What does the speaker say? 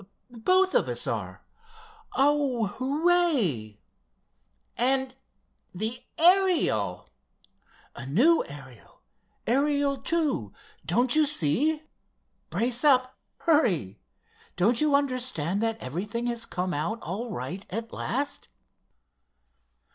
Both of us are. Oh, hooray!" "And the Ariel——" "A new Ariel—Ariel II; don't you see? Brace up—hurry! Don't you understand that everything has come out all right at last?"